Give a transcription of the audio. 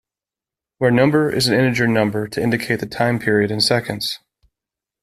Where number is an integer number to indicate the time period in seconds.